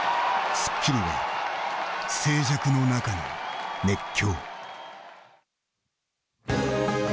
『スッキリ』は静寂の中の熱狂。